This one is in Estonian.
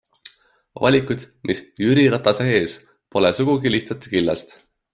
Valikud, mis Jüri Ratase ees, pole sugugi lihtsate killast.